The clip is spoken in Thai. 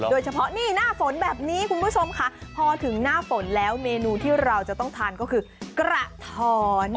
โดยเฉพาะนี่หน้าฝนแบบนี้คุณผู้ชมค่ะพอถึงหน้าฝนแล้วเมนูที่เราจะต้องทานก็คือกระท้อน